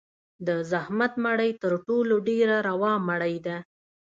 د زحمت مړۍ تر ټولو ډېره روا مړۍ ده.